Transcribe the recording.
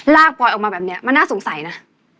ปลอยออกมาแบบนี้มันน่าสงสัยนะ